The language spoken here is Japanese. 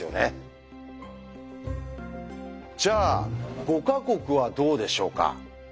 じゃあ５か国はどうでしょうか？